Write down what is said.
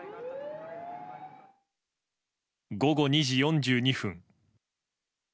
午後２時４２分。